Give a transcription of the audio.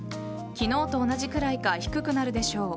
昨日と同じくらいか低くなるでしょう。